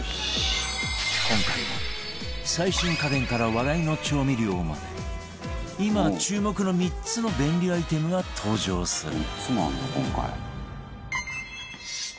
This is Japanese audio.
今回も最新家電から話題の調味料まで今注目の３つの便利アイテムが登場する